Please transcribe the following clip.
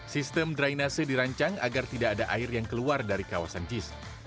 sistem drainase dirancang agar tidak ada air yang keluar dari kawasan jis